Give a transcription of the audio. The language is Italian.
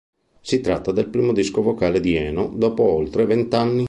Si tratta del primo disco vocale di Eno dopo oltre vent'anni.